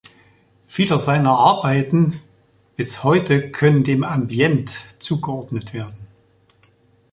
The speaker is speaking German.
Viele seiner Arbeiten bis heute können dem "Ambient" zugeordnet werden.